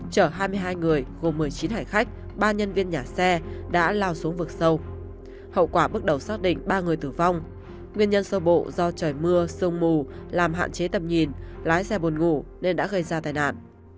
chở hai mươi hai người gồm một mươi chín hải khách ba nhân viên nhà xe đã lao xuống vực sâu hậu quả bước đầu xác định ba người tử vong nguyên nhân sơ bộ do trời mưa sương mù làm hạn chế tầm nhìn lái xe buồn ngủ nên đã gây ra tai nạn